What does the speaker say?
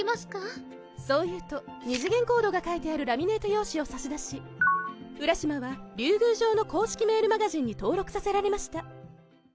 そう言うと二次元コードが書いてあるラミネート用紙を差し出し浦島は竜宮城の公式メールマガジンに登録させられました